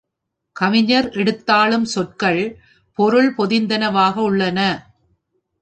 கவிஞர் எடுத்தாளும் சொற்கள் பொருள் பொதிந்தன வாக உள்ளன.